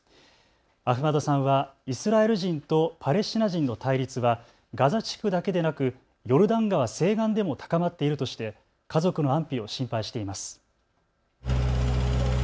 アフマドさんはイスラエル人とパレスチナ人の対立はガザ地区だけでなくヨルダン川西岸でも高まっているとして家族の安否を心配しています。